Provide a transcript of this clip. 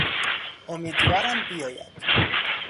امیدوارم بیاید.